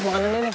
makanan dia nih